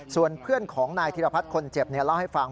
ส่วนเพื่อนของนายธิรพัฒน์คนเจ็บเล่าให้ฟัง